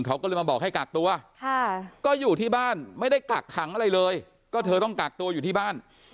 เขาก็เลยมาบอกให้กักตัวก็อยู่ที่บ้านไม่ได้กักขังอะไรเลยก็เธอต้องกักตัวอยู่ที่บ้าน